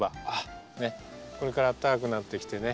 これからあったかくなってきてね